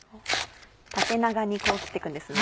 縦長に切って行くんですね。